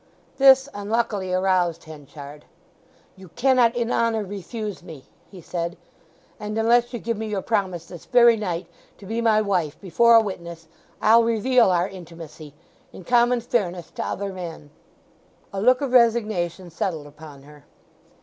This unluckily aroused Henchard. "You cannot in honour refuse me," he said. "And unless you give me your promise this very night to be my wife, before a witness, I'll reveal our intimacy—in common fairness to other men!" A look of resignation settled upon her.